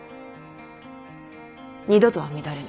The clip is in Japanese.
二度とは乱れぬ。